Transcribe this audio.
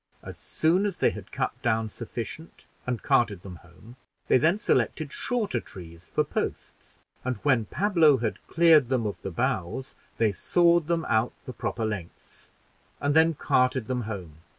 As soon as they had cut down sufficient and carted them home, they then selected shorter trees for posts; and when Pablo had cleared them of the boughs, they sawed them out the proper lengths, and then carted them home.